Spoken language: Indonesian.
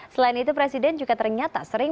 selain itu presiden juga ternyata sering